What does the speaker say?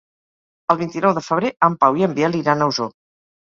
El vint-i-nou de febrer en Pau i en Biel iran a Osor.